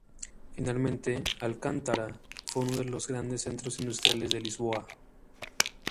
Finalmente, Alcântara fue uno de los grandes centros industriales de Lisboa.